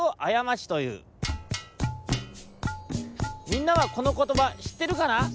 みんなはこのことばしってるかな？